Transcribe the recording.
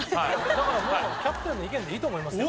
だからキャプテンの意見でいいと思いますよ。